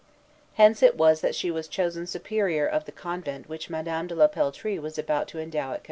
Hence it was that she was chosen Superior of the convent which Madame de la Peltrie was about to endow at Quebec.